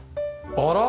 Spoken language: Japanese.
あら？